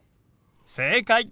正解！